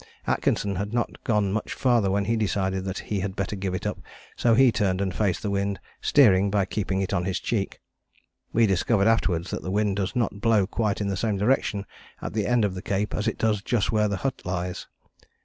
Atkinson had not gone much farther when he decided that he had better give it up, so he turned and faced the wind, steering by keeping it on his cheek. We discovered afterwards that the wind does not blow quite in the same direction at the end of the Cape as it does just where the hut lies.